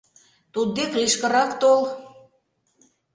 Туддек лишкырак тол...